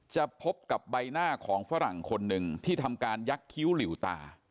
จะพบกับใบหน้าของฝรั่งคนหนึ่งที่ทำการยักษ์คิ้วหลิวตา